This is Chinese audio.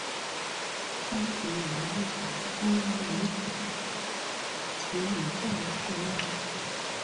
张宏良任职于中央民族大学成人教育学院。